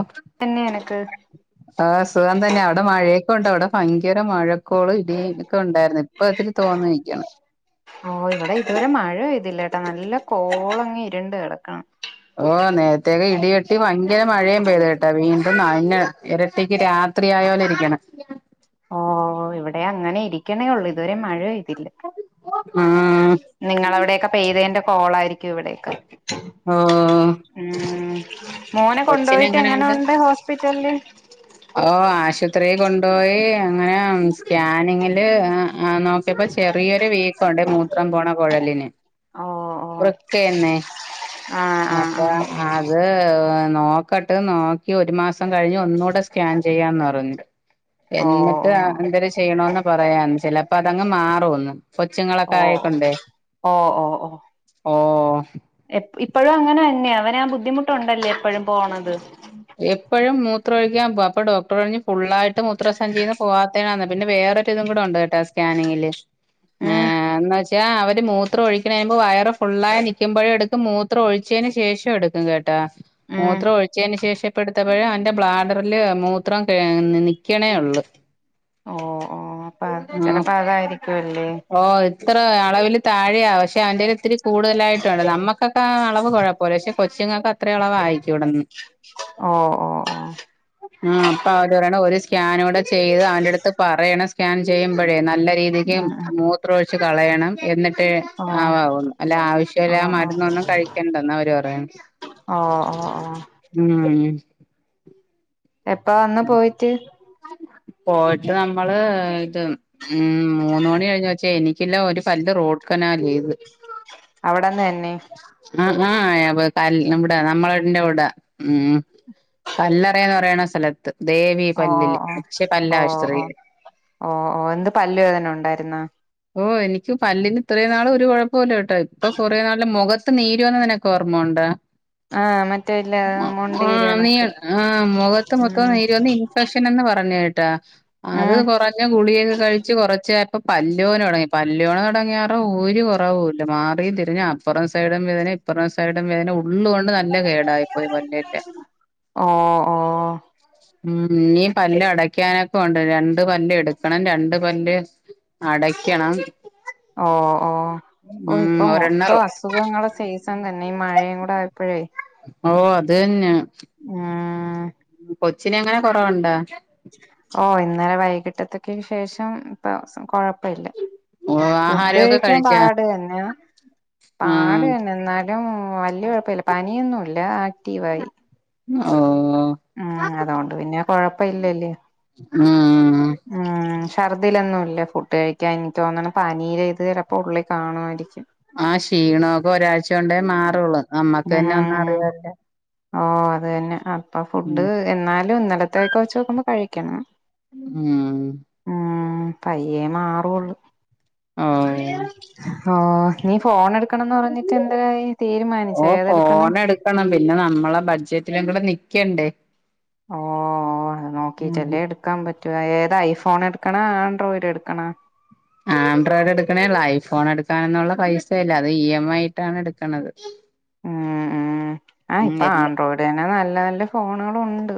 അപ്പ തന്നെയ എനക്ക് ആ സുഖം തന്നെയ അവിടെ മഴയൊക്കെ ഉണ്ട് അവിടെ ഭയങ്കര മഴക്കോള ഇടൊക്കെ ഉണ്ടായിരുന്നില്ല ഇപ്പൊ ഇത്തിരി തോന്നു നിക്കാണ് ഓ ഇവിടെ ഇതുവരെ മഴ പെയ്തില്ല ട്ടാ നല്ല കോളങ്ങ് ഇരുണ്ട് കിടക്കണം ഓ നേരത്തേക്ക ഇടികെട്ടി ഭയങ്കര മഴയും പെയ്തു കേട്ടാ വീണ്ടും ന ഇരട്ടിക്ക് രാത് ത്രരിയായോലെ ഇരിക്കണം ഓ ഇവിടെ അങ്ങനെ ഇരിക്കണേള്ളൂ ഇതുവരെ മഴ പെയ്തില്ല ഉം നിങ്ങളവിടെയൊക്കെ പെയ്തതിന്റെ കോള ആയിരിക്കും ഇവിടേക്ക് ഓഹ് ഉം മോനെ കൊച്ചിന് കൊണ്ടുപോയിട്ട് എങ്ങനെ ഉണ്ട് ഹോസ്പിറ്റലിൽ ഓ ആശുപത്രിയിൽ കൊണ്ടുപോയി അങ്ങനെ സ്കാനിങ്ങില് ആഹ നോക്കിയപ്പോ ചെറിയൊരു വീക്കുണ്ട് മൂത്രം പോണ കുഴലിന് ഓ ഓ വൃക്കന്നെ ആഹ് ആഹ് അപ്പ ആഹ് അത് നോക്കട്ട് നോക്കി ഒരു മാസം കഴിഞ്ഞ് ഒന്നുകൂടെ സ്കാൻ ചെയ്യാന്ന് പറഞ്ഞു ഓ എന്നിട്ട എന്തൊ ചെയ്യണന്ന് പറയാന്ന് ചിലപ്പോ അതങ്ങ് മാറുംന്ന് ഓ കൊച്ചുങ്ങളൊക്കെ ഓ ആയിക്കൊണ്ടേ ഓ ഓ ഓ ഓ ഇപ്പോഴും അങ്ങനെ തന്നെ അവന ആ ബുദ്ധിമുട്ടുണ്ടല്ലേ എപ്പോഴും പോണത് എപ്പോഴും മൂത്ര ഒഴിക്കാൻ പോ അപ്പൊ ഡോക്ടർ പറഞ് ഫുള്ളൾയിട്ട് മൂത്രസഞ്ചിന്ന് പോവാ പിന്നെ വേറൊരു ഇതും കൂടെ ഉണ്ട് കേട്ട സ്കാനിങ്ങില് ഏ ഉം എന്ന് വെച്ചാ അവര് മൂത്രം ഒഴിക്കണുമ്പോ വയറ് ഫുള്ളായി നിക്കുമ്പോഴ എടു മൂത്രം ഒഴിച്ചതിന് ശേഷം എടുക്കും കേട്ടാ ഉം മൂത്രം ഒഴിച്ചതിനന് ശേഷം എപ്പെടുത്തപ്പോഴും അവന്റെ ബ്ലാഡറില് മൂത്രം ഏ നിൽക്കണേള്ളു. ഓ ഓ അപ്പ ആഹ് ചിലപ്പോ അതായിരിക്കുവല്ലേ ഓ ഇത്ര അളവിൽ താഴെയാണ് പക്ഷെ അവന്റെേൽ ഇത്തിരി കൂടുതലായിട്ടുണ്ട് നമ്മുക്കൊക്കെ ആ അളവ് കുഴപ്പം പോലശെ കൊച്ചുങ്ങൾക്ക് അത്രയളവായിരിക്കുടന്ന് ഓഹ് ഓഹ് [inaudible] ആഹ് അപ്പൊ അവര് പറയണം ഒരു സ്കാൻ കൂടെ ചെയ്ത് അവന്റെ അടുത്ത് പറയണം സ്കാൻ ചെയ്യുമ്പോഴേ നല്ല രീതിക്ക് ഉം ഉം മൂത്ര ഒഴിച്ച് കളയണം എന്നിട്ട് ട്ട് ആഹ് ആവാവുന്നു അല്ല ആവശ്യമില്ല ആഹ് മരുന്നൊന്നും കഴിക്കണ്ടന്ന് അവര് പറയാണ് ഓ ഓ ഓ ഉം എപ്പ വന്ന് പോയിട്ട് പോയിട്ട് നമ്മള് ഇത് ഉം മൂന്ന് മണി കഴിഞ്ഞ ച്ചേ എനിക്കില്ല ഒരു പല്ല് റൂഡ് കനാൽ ചെയ്ത്. അവിടന്ന് തന്നെ ആഹ് ആഹ് ക ഇവിടെ നമ്മളന്റെ ഇവിടെ ഉം കല്ലറ എന്ന് പറയണ സ്ഥലത്ത് ദേവി പല്ലില് യക്ഷി പല്ല അശ്രീയ ഓ ഓ എന്ത് പല്ലുവേദന ഉണ്ടായിരുന്ന? ഓ എനിക്ക് പല്ലിന് ഇത്രയും നാള് ഒരു കുഴപ്പംമില്ല കേട്ടോ ഇപ്പൊ കൊറേ നാള് മുഖ ത്ത് നീരുവന്നതിനൊക്ക ഓർമ്മുണ്ടോ ആഹ് മറ്റേ ഇല്ല മൊണ്ടേര് ആഹ് നീ കണക്ക് ആഹ് മുഖത്ത് ഉം മൊത്തം നീര് വന്ന് ഇൻഫെക്ഷൻ എന്ന് പറഞ്ഞ കേട്ടാ അത് ഉം കുറഞ്ഞ ഗുളിയൊക്കെ കഴിച്ച് കൊറച്ച് ഞ ഇപ്പ പല്ല് ല്ലു വേതന തുടങ്ങി പല്ലയോണ തുടങ്ങിയാറോ ഒരു കുറവൂല്ല മാറിയും തിരിഞ്ഞും അപ്പറും സൈഡും വേദനയാ അപ്പറ സൈഡും വേദന ഉള്ളുകൊണ്ട് നല്ല കേടായി പോയി പല്ലിന്റെ ഓഹ് ഓഹ് ഉ ഈ പല്ല് അടക്കാനൊക്കെ ഉണ്ട് രണ്ട് പല്ല് എടുക്കണം രണ്ട് പല്ല് അടക്കണം ഓ ഓ ഓ ഇപ്പൊ ഒരെണ്ണം മൊത്തം അസുഖങ്ങള സീസൺ തന്നെ ഈ മഴയും കൂടെ ആയപ്പോഴേ. ഓ അത് തന്നെ ഞാഹ് കൊച്ചിന അങ്ങനെ കൊറവുണ്ടാ? ഓ ഇന്നലെ വൈകിട്ടത്തേക്ക് ശേഷം ഇപ്പം കെ ഴപ്പില്ല ഓ ഫുഡ് ആഹാരമൊക്കെ കഴിക്കാൻ കഴിച്ചാ പാട് തന്നെയ പാട് ഉം തന്നെ എന്നാലും വലിയ കുഴപ്പമില്ല പനിയൊന്നുംല്ല ആക്റ്റീവായി. ഓഹ് ഉം അതുകൊണ്ട് പിന്നെ കൊഴപ്പ ഇല്ലല്ലേ ഉം ഉം ഛർദ്ദിലൊന്നുംല്ല ഫുഡ് കഴിക്കാൻ എനിക്കോന്നണ് പനീര് ഇത് ചെലപ്പോ ഉള്ളിൽ കാണുമായിരിക്കും. ആഹ് ക്ഷീണമൊക്കെ ഒരാഴ്ച കൊണ്ടേ മാറുള്ളു നമ്മക്ക് ഉം തന്നെ വന്ന അറിയാല്ലോ ഓ അത് തന്നെ അപ്പൊ ഉം ഫുഡ് എന്നാലും ഇന്നലത്തേക്കെ വെച്ച് നോക്കുമ്പോ കഴിക്കണം. ഉം ഉം പയ്യേ മാറുള്ളു ഓ ഓ നീ ഫോൺ എടു ക്കണംന്ന് പറഞ്ഞിട്ട് എന്തരായി തീരുമാനിച്ചോ ഏതെടുക്കണ് ക്കണം പിന്നെ നമ്മളെ ബഡ്ജറ്റിലും കൂടെ നിക്കണ്ടേ ഓഹ് അത് ഉം നോക്കിട്ടല്ലേ എടുക്കാൻ പറ്റ് ഏതാ ഐഫോൺ എടുക്കണ ആൻഡ്രോയിഡ് എടുക്കണ ആൻഡ്രോയിഡ് എടുക്കണേള്ളോ ഐഫോൺ എടുക്കാനന്നുള്ള പൈസ ഇല്ല അത് ഇ എം ഐ ഇട്ടാണ് എടുക്കണത് ഉ ഉം ആഹ് ഉം ഇപ്പൊ എല്ല ആൻഡ്രോയിഡ് തന്നെ നല്ല നല്ല ഫോണുകളും ഉണ്ട്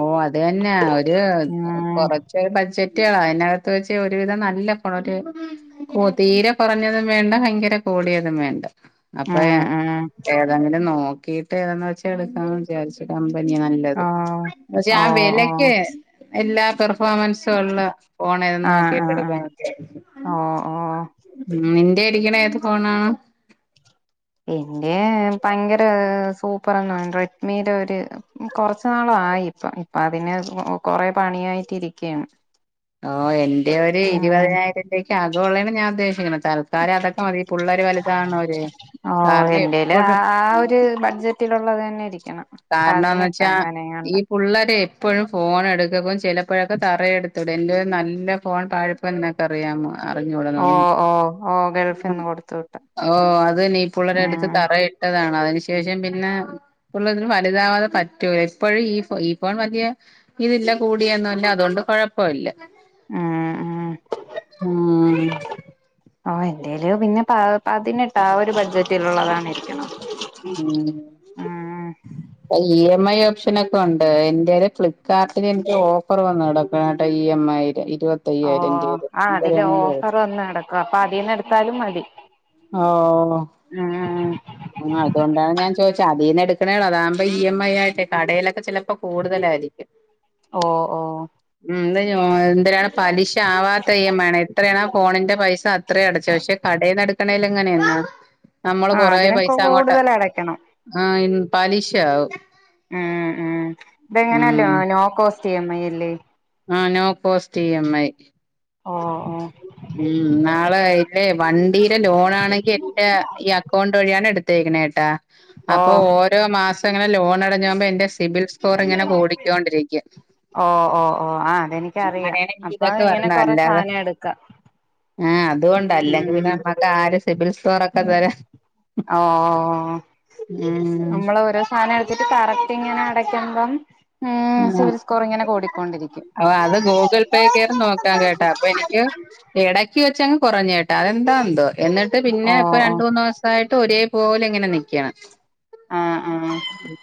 ഓ അത് തന്നെയ ഒരു കൊറ ഉം ച്ച് ബഡ്ജറ്റുകളാ അതിനകത്ത് വെച്ച ഒരുവിധം നല്ല പോണ ഒരു ഓ തീരെ കുറഞ്ഞതും വേണ്ട ഭയങ്കര കൂടിയതും വേണ്ട അപ്പൊ ഉം ഞാൻ ഉം ഏതെങ്കിലും നോക്കീട്ട് ഏതന്ന് വെച്ചാ എടുക്കാ വിചാരിച്ച കമ്പനിയ നല്ലത് ഓഹ് പക്ഷെ ആ ഓഹ് ഓഹ് വിലക്ക് എല്ലാത്തർ പർഫോമൻസൊള്ള ഫോൺ ഏതെന്ന് ആഹ് നോക്കീട്ട് ആഹ് ആഹ് എടുക്കാൻ നിക്കായിരുന്നു. ഓഹ് ഓഹ് ഉം നിന്റെ രിക്കണേ ഏത് ഫോണാണ് എന്റെ ഭയങ്കര സൂപ്പർന്ന് റെഡ്മിടെ ഒര് കൊർച്ച് നാള് ആയി ഇപ്പ ഇപ്പ അതിന് കൊറെ പണിയായിട്ടരിക്കയാണ് ഓ എന്റെ ഒരു ഇരുപതിനായിരതെക്ക് അകം ഉള്ളാണ് ഞാൻ ഉദ്ദേശിക്കണ തല ൽകാലം അതൊക്കെ മതി ഈ പിള്ളേർ വലുതാവ്ണ വരെ ഓഹ് കാരണം എന്റെല് ആ എപ്പോഴും ആ ഒരു ബഡ്ജറ്റിലുള്ളത് തന്നെ ഇരിക്കണം പതിനെട്ടാ അങ്ങനങ്ങാണ്ട് പുള്ളരെ എപ്പോഴും ഫോൺ എടുക്ക പും ചിലപ്പോഴൊക്കെ തറയെടുത്തുടും എല്ല നല്ല ഫോൺ താ അപ്പൊ എന്നൊക്കെ അറിയമോ അറിഞ്ഞുടാ ഓ ഓ ഓ ഗൾഫ് നിന്ന് കൊടുത്ത് വിട്ട് ഓ അത് നീ പുള്ളരെ അടുത്ത് തറയിട്ടതാണ് അതിന് ശേഷം പിന്നെ പുള്ള വലുതാവാതെ പറ്റൂല എപ്പോഴും ഈ ഈ ഫോൺ വലിയ ഇതില്ല കൂടിയന്നുംല്ല അതുകൊണ്ട് കൊഴപ്പല്ല ഉം ഉം ആഹ് ഓ എന്തേലും പിന്നെ പ പതിനെട്ട് ആ ഒരു ബഡ്ജറ്റിൽള്ളതാണ് ഇരിക്കണ ഉം ഇ എം ഐ ഓപ്ഷന ഒക്കെ ഉണ്ട് എന്റെര് ഫ്ലിപ്കാർട്ടിന് എനിക്ക് ഓഫർ വന്നുടോ ട്ട ഈ എം ഐയില് ഇരുപ ഓ ആ അതില് ഓഫർ വന്ന് കെടക്ക അപ്പൊ അതിൽന്ന് എടുത്താലും മതി ഓഹ് ആഹ് ആഹ് അുകൊണ്ടാണ് ഞാൻ ചോദിചെ അതിന്ന് എടുക്കണേണോ അതാകുമ്പോ ഇ എം ഐ ആയിട്ടെ കടയിലൊക്കെ ചിലപ്പോ കൂടുതലായിരിക്കും ഓഹ് ഓഹ് ഉം എന് എന്തിനാണ് പലിശ ആവാത്ത ഇ എം ഐ വേണം എത്രയാണ് ആ ഫോണിന്റെ പൈസ അത്ര അടച്ച പക്ഷെ കടയിലടക്കണേല എങ്ങനെയാ നമ്മള് ആ കൊറേ അതിനൊക്കെ പൈസ അങ്ങോട്ട് കൂടുതൽ അടക്കണം ആഹ് ഇന്ന് പലിഷാവും ഉം ഉം ഇതെങ്ങനെയല്ലോ ഉം no cost E M I ല്ല് ആ no cost E M I ഓഹ് ഓഹ് ഉം നാളെ ഇല്ലെ വണ്ടീയിലെ ലോണാ ആണെങ്കി എന്റെ ഈ ക്കൗണ്ട് വഴിയാണ് എടുത്തേക്കണേട്ടാ ഓ അപ്പൊ ഓരോ മാസംങ്ങനെ ലോൺ അടഞ്ഞകുമ്പോ എന്റെ സിബിൽ ഫോറിങ്ങനെ കൂടിക്കോണ്ടിരിക്കും ഓ ഓ ഓ ആ അതെനിക്കറിയാം അങ്ങനെയാണ് എനിക്ക് അപ്പൊ ഇതൊക്കെ ഇങ്ങനെ പറഞ്ഞ കൊറെ അല്ലാതെ സാധനം എടുക്കാം ആ അതുകൊണ്ട അല്ലെങ്കി ഉം പിന്നെ നമ്മുക്ക് ആര സിബിൽ സ്റ്റോറ ഒക്കെ തരാ ഓ ഉം സാനം എടുത്തിട്ട് കറക്റ്റ് ഇങ്ങനെ അടക്കുമ്പം ഉം സവിൽ സ്കോറി ഇങ്ങനെ കൂടിക്കൊണ്ടിരിക്കും ഓ അത് ഗൂഗിൾ പേ കയറി നോക്കാൻ കേട്ടാ അപ്പൊ എനിക്ക് ഇടക്ക് വെച്ചങ്‌ കുറഞ്ഞേട്ടാ അതെന്താ എന്തോ എന്നിട്ട് ഓ പിന്നെ ഇപ്പൊ ഓ രണ്ട മൂന്ന് ദിവസായിട്ട് ഒരേ പോല ഇങ്ങനെ നിക്കണ് ആഹ് ആഹ്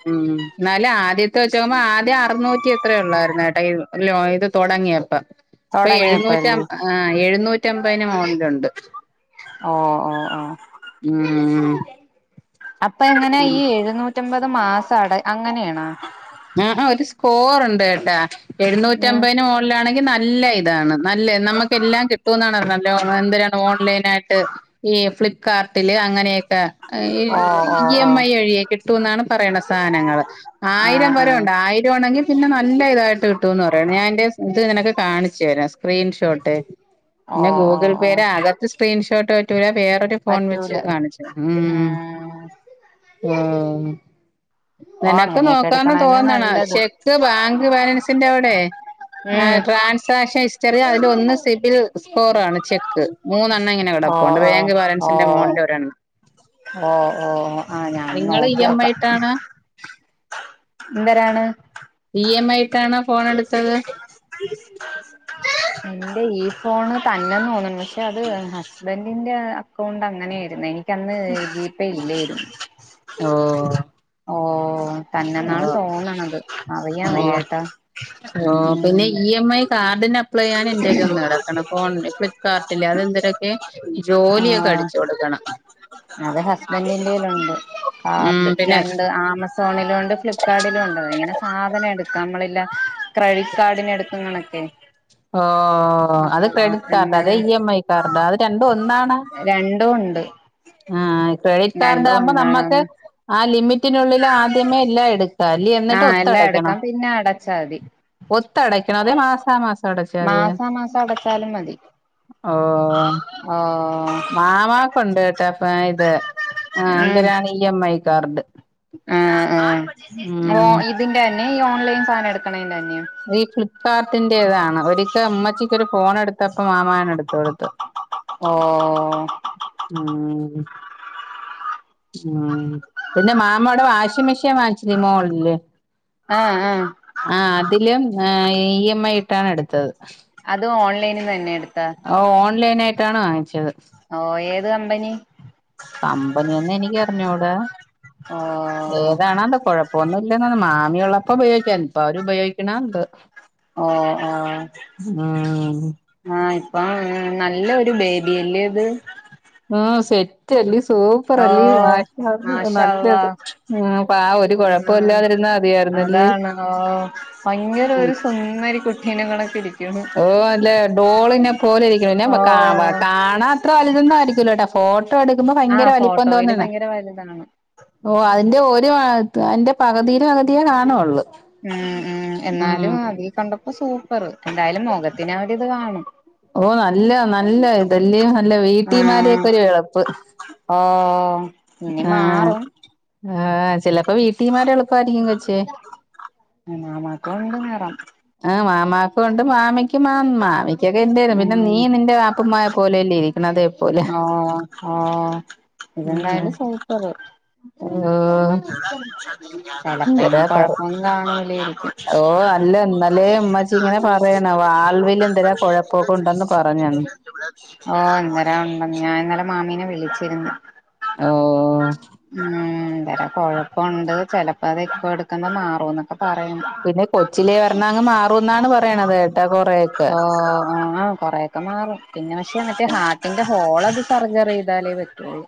ഉം എന്നാല ആദ്യത്തെ വെച്ചോക്കുമ്പോ ആഹ് ആദ്യം അറുന്നൂറ്റി എത്ര ഉള്ളായിരുന്നട്ടൊ ല ഇത് തുടങ്ങിയപ്പ ഇപ്പൊ എഴുന്നൂറ്റ തൊടങ്ങിയപ്പല്ലേ ആഹ് എഴുന്നൂറ്റ അമ്പതിന് മോക്കളിൽ ഉണ്ട് ഓ ഓ ഓ ഉം അപ്പൊ എങ്ങനെ ഈ എഴുന്നൂറ്റമ്പത് മാസം അട അങ്ങനെയാണാ ആഹ് ആഹ് സ്കോർണ്ട് കേട്ടാ ഉം എഴുന്നൂറ്റമ്പതിന് ണെങ്ക നല്ല ഇതാണ് നല്ല നമുക്ക് എല്ലാം കിട്ടൂന്നാണ് നല്ല എന്താണ് ഓൺലൈൻ ആയിട്ട് ഈ ഫ്ലിപ്പ്കാർട്ടില് അങ്ങനെയൊക്കെ ഓ ഓ ഇ ഓ എം ഐ വഴിയെ കിട്ടൂ എന്നാണ് പറയണ സാധനങ്ങൾ ആ ആയിരം ആ വരെ ഉണ്ട- ആയിരം ആണെങ്കിൽ പിന്നെ നല്ല ഇതായിട്ട് കിട്ടൂ എന്ന് പറയണ് ഞാൻ എന്റെ ഇത് നിനക്ക് കാണിച്ചു തരാം സ്ക്രീൻഷോട്ട് ഓ പിന്നെ ഓ ഗൂഗിൾ ഓ പേയുടെ അകത്ത് സ്ക്രീൻഷോട്ട് പറ്റൂലാ വേറൊരു ഫോൺ വെച്ച് പറ്റൂല കാണിച്ചു ഉം ഓ ഓ അങ്ങനെയക്കെടു- അങ്ങനെ തോന്നണ ചെക്ക് ബാങ്ക് ബാലൻസിന്റെ അവിടെ ഉം ആഹ് ട്രാൻസാക്ഷൻ ഹിസ്റ്ററി അതിന്റെ ഒന്ന് സിബിൽ സ്കോറ് ആണ് ചെക്ക് ക്ക് മൂന്നെണ്ണം ഇങ്ങനെ ഓ കിടപ്പുണ്ട് ഓ ബാങ്ക് ബാലൻസിന്റെ മോളിൽ ഒരെണ്ണം ഓ ഓ ഓ ആഹ് ഞാൻ നിങ്ങൾ ഇ നോക്കി എം ഐ നോക്കാം ഇട്ടാണ് എന്തിരാണ് ഇ എം ഐ ഇട്ടാണോ ഫോൺ എടുത്തത് എന്റെ ഈ ഫോണ് തന്നെന്ന് തോന്നണ് അത് ഹസ്ബൻഡിന്റെ അക്കൗണ്ട് അങ്ങനെയിരുന്നു എനിക്ക് അന്ന് ജിപേ ഇല്ലായിരുന്നു ഓ ഓ ഓ തന്നെന്നാണ് തോന്നണത് അറിയാൻ ഓ വയ്യട്ടോ ഉം കാർഡിന- അപ്ളേ ചെയ്യാൻ എന്റെല് വന്ന് കിടക്കണ് ഫോണിന്റെ ഫ്ലിപ്പ്കാർട്ടില് അത് എന്തിരെക്കെ ജോലിയൊക്കെ ആഹ് അടിച്ചു കൊടുക്കണം [inaudible] അത് ഹസ്ബൻന്റിന്റെ കൈയ്യിലുണ്ട് ഉം കാർഡ് പിന്നെ രണ്ട് ആമ- സോണിലുമുണ്ട് ഫ്ലിപ്കാർട്ടിലും ഉണ്ട് ഇങ്ങനെ സാധനം എടുക്കാ നമ്മളില്ല ക്രെഡിറ്റ് കാർഡിന് എടുക്കണ കണക്കെ ഓ അത് ആഹ് ക്രെഡിറ്റ് കാർഡ് എന്ത് അതെ ഇ എം ഐ കാർഡ് അത് രണ്ടും ഒന്നാണോ രണ്ടും ഉണ്ട് ആഹ് ക്രെഡിറ്റ് കാർഡ് രണ്ടും ആകുമ്പോ നമ്മുക്ക് ഒന്നാണന്ന് ആഹ് ലിമിറ്റിനുള്ളിൽ ആദ്യമേ എല്ലാം എടുക്കാ- ആഹ് എല്ലാം എടുക്കാം പിന്നെ അടച്ചാ മതി ഒത്ത് അടക്കണോ അതൊ മാസാ മാസം അടച്ചാമതിയോ മാസാ മാസം അടച്ചാലും ഓ ഓ ഓ ഓ മാമാക്ക് ഉണ്ട് കേട്ടോ ഇത് ആ ഉം എന്തരാണ് ഇ എം ഐ കാർഡ് അഹ് അഹ് ഓ ഉം ഇ- ഇതിന്റെ തന്നെ ഈ ഓൺലൈൻ സാധനം എടുക്കണതിന്റെ തന്നെ ഈ ഫ്ലിപ്പ്കാർട്ടിന്റേതാണ് ഒരിക്കൽ ഉമ്മച്ചിക്കൊരു ഒരു ഫോൺ എടുത്തപ്പ മാമായാണ് എടുത്ത് കൊടുത്തത്ത് [inaudible] ഓ ഓ ഓ ഉം ഉം പിന്നെ മാമോടെ വാഷിംഗ് മെഷീൻ വാങ്ങിച്ചില്ലെ മോളില് ആഹ് ആഹ് അഹ് അതിലും ഇ എം ഐ ഇട്ടാണ് എടുത്തത്. അത് ഓൺലൈനിൽ നിന്ന് തന്നെ എടുത്തെ? ഓ ഓൺലൈൻ ആയിട്ടാണ് വാങ്ങിച്ചത്. ഓഹ് ഏത് കമ്പനി? കമ്പനിയെന്നും എനക്കറിഞ്ഞൂടാ ഓ ഏതാണോ എന്തേ കൊഴപ്പ- പ്പൊമൊന്നുമില്ലാന്ന് തോന്നണ് മാമിയുള്ളപ്പോ ഉപയോഗിക്കാരുന്നു ഇപ്പൊ അവരു ഉപയോഗിക്കണോ എന്തോ? ഓഹാ ഓ.. ഉം ആഹ് ഇപ്പം നല്ലൊരു ബേബിയില്ലേ ഇത്- ആഹ് സെറ്റ് അല്ലേ സൂപ്- ഓ പ്പറല്ലേ വാ മാഷാ അള്ളാ നല്ലത് ഉം ആ ഒരു കുഴപ്പല്ലാതിരുന്നാതി ആയിരുന്നല്ലേ ഓഹ് ഭയങ്കര ഒരു സുന്ദരി കുട്ടീനെ കണക്ക് ഇരി- ഓഹ് അല്ലേ ഡോളിനെ പോലെ ഇരിക്കണന്നെ ഓ കാ കാണാൻ അത്ര വലുതൊന്ന ആയിരിക്കല ട്ടാ ഫോട്ടോ എടുക്കുമ്പോ ഭയങ്കര ആഹ് വലിപ്പം ഫോട്ടോയില് തോന്നാണ് ഭയങ്കര വലുതാണ് ഓ അതിന്റെ ഒരു അ അന്റെ പകുതിയില പകുതിയേ കാണുവൊള്ളു. ഉം ഉം എന്നാലും അതി കണ്ടപ്പോ സൂപ്പറ് എന്തായാലും മുഖത്തിന് അവടെ ഇത് കാണും. ഓ നല്ല നല്ല ഇതെല്യോ നല്ല വീട്ടിമാരൊക്കെ ഒരു റപ്പ്- ഓഹ് ഇനി മാറും. ആഹ് ചെലപ്പോ വീട്ടീമാരെ എളുപ്പയിരിക്കും കൊച്ചേ അനാമാ കൊണ്ടു കേറാം. ആഹ് മാമാക്ക് കൊണ്ട് മാമിക്ക് മാ മാ മിക്കെദിരും പിന്നെ ഉം നീ നിന്റെ അ ഉപ്പമായ പോലെയല്ലേ ഇരിക്കണത് ഓഹ് ഓഹ് ഇത് ന്തായാലും സൂപ്പറ്. ഓഹ് ചെലപ്പ ഇന്ന് കൊഴപ്പം കാണുലായിരിക്കും. ഓഹ് അല്ല എന്നാലേ ഉമ്മാച്ചി ഇങ്ങനെ പറയണ് വാൾവിൽ എന്തേരാ കുഴപ്പൊക്കെ ഉണ്ടന്ന് പറഞ്ഞന്ന്. ഓ ഇന്നേര ഉണ്ടന്ന് ഞാൻ ഇന്നലെ മാമീനെ വിളിച്ചിരിന്ന്. ഓ ഉംന്തരാ.. കൊഴപ്പൊണ്ട് ചെലപ്പോ അത് എക്കോ എടുക്കമ്പം മാറുന്നൊക്കെ പറയാന്ന് പിന്നെ കൊച്ചിലെ പറഞ്ഞ അങ്ങ് മാറുംന്നാണ് പറയണത് കേട്ടാ കൊറെയൊക്കെ ഓ ആ കൊറെ ഒക്കെ മാറും പിന്നെ പക്ഷേ മറ്റേ ഹാർട്ടിന്റെ ഹോൾ അത് സർജറി ചെയ്താലേ പറ്റുള്ളൂ.